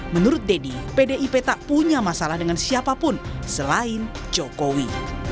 menurut deddy pdip tak punya masalah dengan siapapun selain jokowi